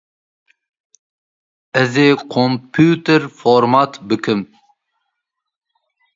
Ezê komputer format bikim.